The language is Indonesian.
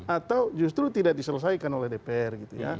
atau justru tidak diselesaikan oleh dpr